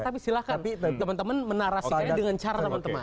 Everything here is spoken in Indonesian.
tapi silahkan teman teman menarasikannya dengan cara teman teman